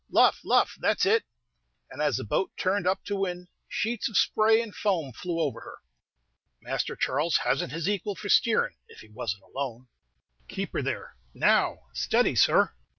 Luff! luff! that's it!" And as the boat turned up to wind, sheets of spray and foam flew over her. "Master Charles hasn't his equal for steerin', if he wasn't alone. Keep her there! now! steady, sir!"